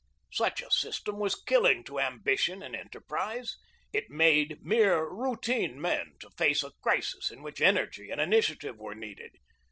Such a system was killing to ambition and enter prise. It made mere routine men to face a crisis in which energy and initiative were needed.